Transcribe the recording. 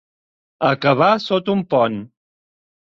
Acabar sota un pont.